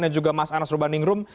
dan juga mas anas rubaningrum